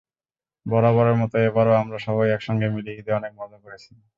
বরাবরের মতো এবারও আমরা সবাই একসঙ্গে মিলে ঈদে অনেক মজা করেছি।